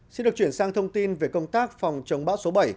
xin được chuyển sang thông tin về công tác phòng chống bão số bảy